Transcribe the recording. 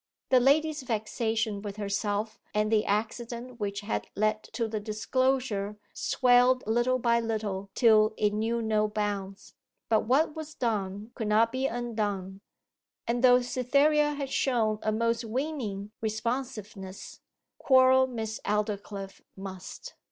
The lady's vexation with herself, and the accident which had led to the disclosure swelled little by little till it knew no bounds. But what was done could not be undone, and though Cytherea had shown a most winning responsiveness, quarrel Miss Aldclyffe must.